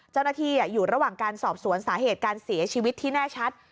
เจ้าหน้าที่อยู่ระหว่างการสอบสวนสาเหตุการเสียชีวิตที่แน่ชัด